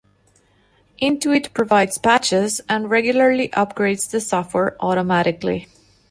Intuit provides patches, and regularly upgrades the software automatically.